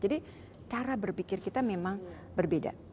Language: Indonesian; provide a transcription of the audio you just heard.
jadi cara berpikir kita memang berbeda